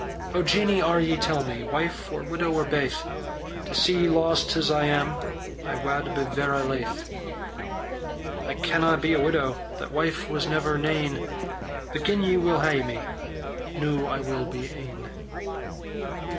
"O Jeannie, are ye, tell me, Wife or widow or baith? To see ye lost as I am, I wad be verra laith," "I canna be a widow That wife was never nane; But gin ye will hae me, Noo I will be ane."